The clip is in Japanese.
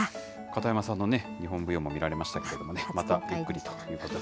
片山さんのね、日本舞踊も見られましたけどね、またゆっくりと。